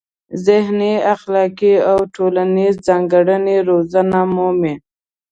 ذهني، اخلاقي او ټولنیزې ځانګړنې روزنه مومي.